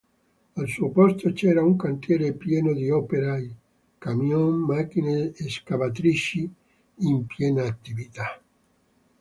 Al suo posto c'era un cantiere, pieno di operai, camion, macchine scavatrici in piena attività.